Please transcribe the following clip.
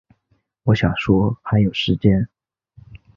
我想说还有时间